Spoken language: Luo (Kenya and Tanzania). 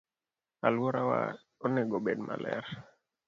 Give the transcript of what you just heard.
Aluorawa onego obed maler.